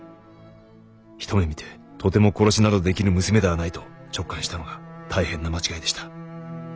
ひと目見てとても殺しなどできる娘ではないと直感したのが大変な間違いでした。